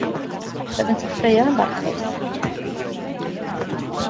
Byddent yn ffraeo yn barhaus.